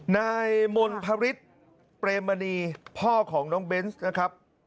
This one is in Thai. ในมลพริษเปรมณีพ่อของน้องเบนส์นะครับ